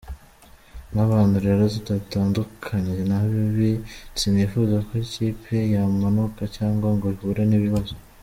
Nk’abantu rero tutatandukanye nabi, sinifuza ko ikipe yamanuka cyangwa ngo ihure n’ibibabzo.